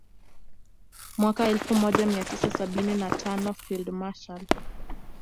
Mwaka elfu moja mia tisa sabini na tano Field Marshal